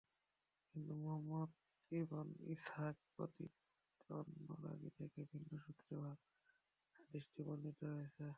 কিন্তু Muhammad ibn Ishaq ব্যতীত অন্য রাবী থেকে ভিন্ন সূত্রেও হাদীসটি বর্ণিত হয়েছে।